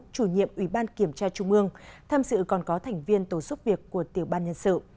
chủ nhiệm ủy ban kiểm tra trung ương tham dự còn có thành viên tổ giúp việc của tiểu ban nhân sự